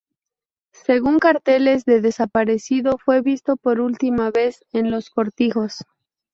Según carteles de desaparecido, fue visto por última vez en Los Cortijos.